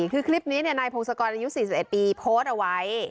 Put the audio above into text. คือคลิปนี้นายพงศกรอายุ๔๑ปีโพสต์เอาไว้